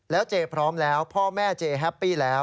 แล้วเจพร้อมแล้วพ่อแม่เจแฮปปี้แล้ว